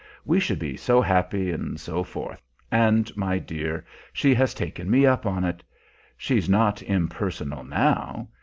We should be so happy, and so forth. And, my dear, she has taken me up on it! She's not impersonal now.